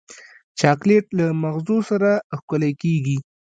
چاکلېټ له مغزونو سره ښکلی کېږي.